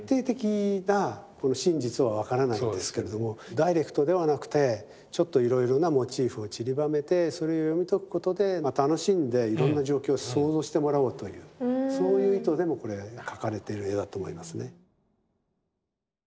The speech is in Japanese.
ダイレクトではなくてちょっといろいろなモチーフをちりばめてそれを読み解くことで楽しんでいろんな状況を想像してもらおうというそういう意図でもこれ描かれてる絵だと思いますね。